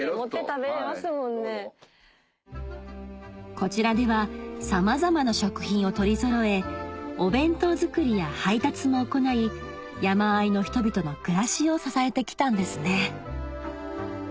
こちらではさまざまな食品を取りそろえお弁当作りや配達も行い山あいの人々の暮らしを支えて来たんですね